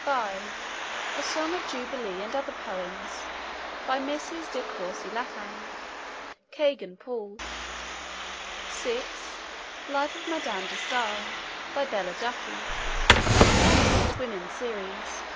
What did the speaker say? (5) A Song of Jubilee and Other Poems. By Mrs. De Courcy Laffan. (Kegan Paul.) (6) Life of Madame de Stael. By Bella Duffy. 'Eminent Women' Series.